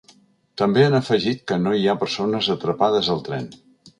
També han afegit que no hi ha persones atrapades al tren.